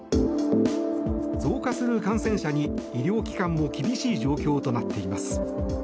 増加する感染者に、医療機関も厳しい状況となっています。